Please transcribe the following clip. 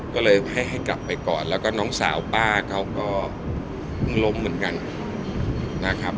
ก็เลยให้กลับไปก่อนแล้วก็น้องสาวป้าเขาก็เพิ่งล้มเหมือนกันนะครับ